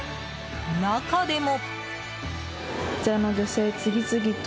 中でも。